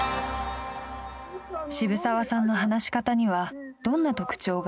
渋沢さんの話し方にはどんな特徴が？